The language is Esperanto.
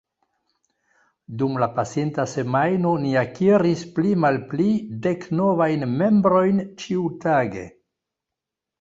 Dum la pasinta semajno ni akiris pli malpli dek novajn membrojn ĉiutage.